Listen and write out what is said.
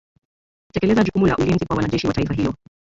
kutekeleza jukumu la ulinzi kwa wanajeshi wa taifa hilo